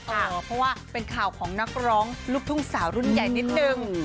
เพราะว่าเป็นข่าวของนักร้องลูกทุ่งสาวรุ่นใหญ่นิดนึง